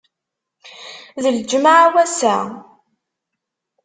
D lǧemɛa wass-a?